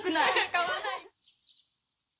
買わない。